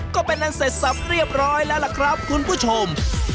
ก็เป็นอันเสร็จสับเรียบร้อยแล้วล่ะครับคุณผู้ชม